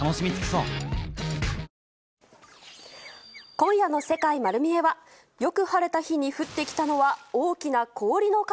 今夜の世界まる見え！は、よく晴れた日に降ってきたのは、大きな氷の塊。